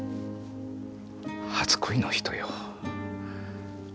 初恋の人よ。